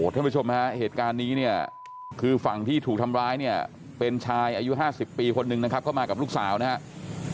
ท่านผู้ชมฮะเหตุการณ์นี้เนี่ยคือฝั่งที่ถูกทำร้ายเนี่ยเป็นชายอายุ๕๐ปีคนหนึ่งนะครับเข้ามากับลูกสาวนะครับ